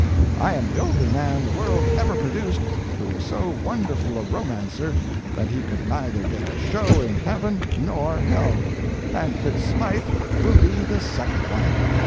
I am the only man the world ever produced who was so wonderful a romancer that he could neither get a show in heaven nor hell, and Fitz Smythe will be the second one.